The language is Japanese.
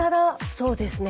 そうですね。